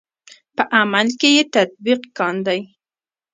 په عمل کې یې تطبیق کاندئ.